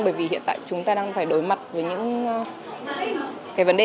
bởi vì hiện tại chúng ta đang phải đối mặt với những cái vấn đề